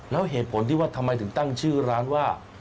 แล้วเหตุผลที่ว่าทำไมถึงตั้งชื่อร้านว่า